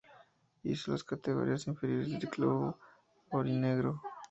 Hizo las categorías inferiores del club aurinegro.